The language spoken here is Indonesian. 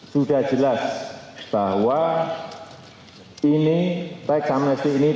sudah jelas bahwa ini reksamnesti ini